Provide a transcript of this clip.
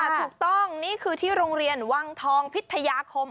ถูกต้องนี่คือที่โรงเรียนวังทองพิทยาคม